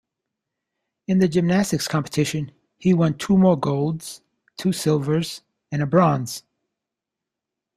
In the gymnastics competition, he won two more golds, two silvers, and a bronze.